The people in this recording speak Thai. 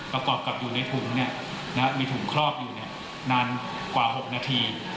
ประกอบกับอยู่ในถุงมีถุงครอบอยู่นานกว่า๖นาที